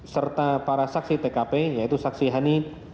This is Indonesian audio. serta para saksi tkp yaitu saksi hani